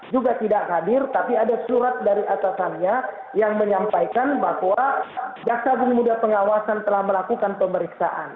juga tidak hadir tapi ada surat dari atasannya yang menyampaikan bahwa jaksa agung muda pengawasan telah melakukan pemeriksaan